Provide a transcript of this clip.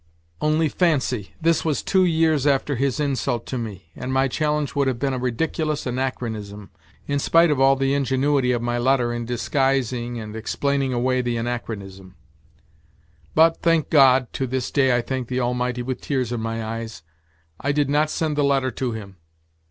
Only fancy, this was two years after his insult to me, and my challenge would have been a ridiculous anachronism, in spite of all the ingenuity of my letter in disguising and explaining away the anachronism. But, thank God (to this day I thank the Almighty with tears in my eyes) I did not send the letter to him.